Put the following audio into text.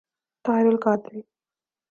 Tahir al-Qadri